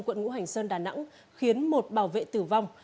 quận ngũ hành sơn đà nẵng khiến một bảo vệ tử vong